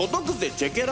チェケラ！